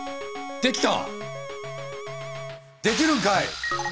できた！